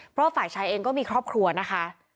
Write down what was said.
เพราะฝ่ายชายเองก็มีครอบครัวนะคะ